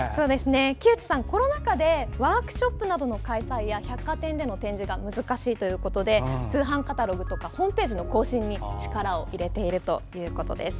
木内さん、コロナ禍でワークショップの開催や百貨店での展示が難しいということで通販カタログやホームページの更新に力を入れているということです。